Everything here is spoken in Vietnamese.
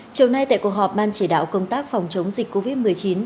châu nay tại cuộc họp ban chế đạo công tác phòng chống dịch covid một mươi chín